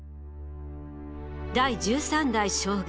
第１３代将軍